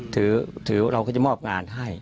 ถือเราก็จะมอบงานให้